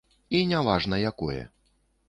І не важна, якое.